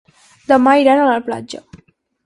Demà iran a la platja.